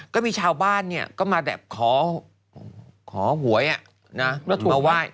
ก็มีชาวบ้านก็มาขอหวยมาไหว้